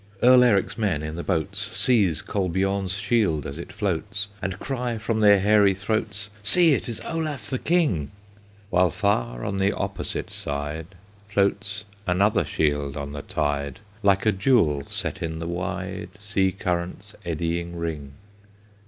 Earl Eric's men in the boats Seize Kolbiorn's shield as it floats, And cry, from their hairy throats, "See! it is Olaf the King!" While far on the opposite side Floats another shield on the tide, Like a jewel set in the wide Sea current's eddying ring.